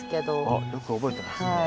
おっよく覚えてますね。